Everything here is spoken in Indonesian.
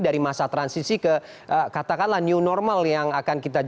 dari masa transisi ke katakanlah new normal yang akan kita jalankan